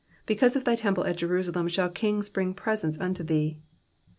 226 29 Because of thy temple at Jerusalem shall kings bring pre sents unto thee.